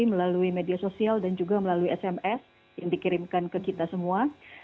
melalui media sosial dan juga melalui sms yang dikirimkan ke kita semua